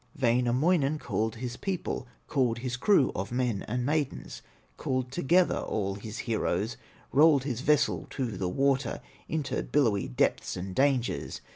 Wainamoinen called his people, Called his crew of men and maidens, Called together all his heroes, Rolled his vessel to the water, Into billowy deeps and dangers.